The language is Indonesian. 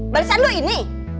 balasan lu ini